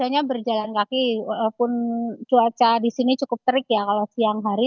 biasanya berjalan kaki walaupun cuaca di sini cukup terik ya kalau siang hari